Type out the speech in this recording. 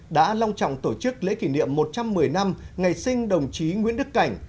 đã long trọng tổ chức lễ kỷ niệm một trăm một mươi năm ngày sinh đồng chí nguyễn đức cảnh